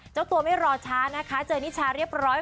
เจ้าตัวไม่รอช้านะคะเจอนิชาเรียบร้อย